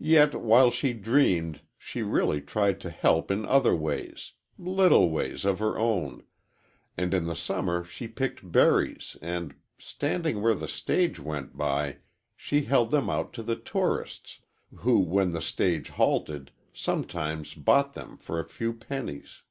"Yet, while she dreamed, she really tried to help in other ways little ways of her own and in the summer she picked berries and, standing where the stage went by, she held them out to the tourists who, when the stage halted, sometimes bought them for a few pennies.